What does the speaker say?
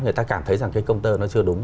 người ta cảm thấy rằng cái công tơ nó chưa đúng